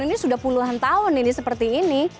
ini sudah puluhan tahun ini seperti ini